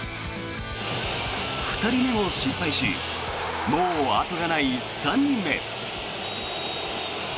２人目も失敗しもう後がない３人目。